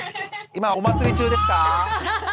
今お祭り中ですか？